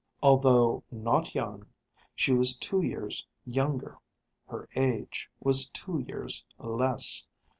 Although not young, she was two years younger. Her age was two years less.